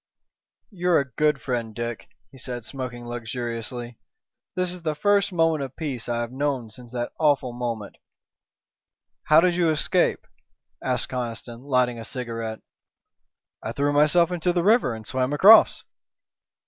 "You're a good friend, Dick," he said, smoking luxuriously. "This is the first moment of peace I have known since that awful moment." "How did you escape?" asked Conniston, lighting a cigarette. "I threw myself into the river and swam across."